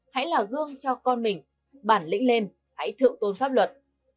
hãy là gương cho con mình bản lĩnh lên hãy thượng tôn pháp luật